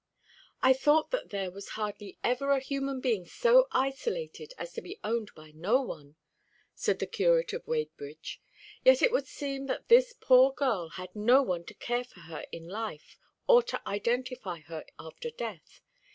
"I thought that there was hardly ever a human being so isolated as to be owned by no one," said the curate of Wadebridge. "Yet it would seem that this poor girl had no one to care for her in life, or to identify her after death.